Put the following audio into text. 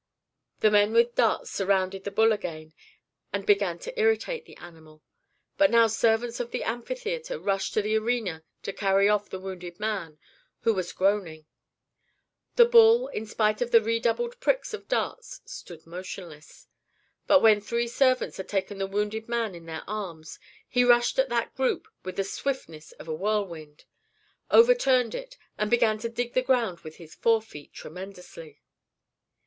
The men with darts surrounded the bull again, and began to irritate the animal; but now servants of the amphitheatre rushed to the arena to carry off the wounded man, who was groaning. The bull, in spite of the redoubled pricks of darts, stood motionless; but when three servants had taken the wounded man in their arms, he rushed at that group with the swiftness of a whirlwind, overturned it, and began to dig the ground with his forefeet tremendously.